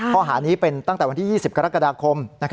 ข้อหานี้เป็นตั้งแต่วันที่๒๐กรกฎาคม